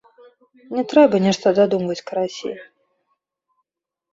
Не трэба нешта дадумваць, карацей.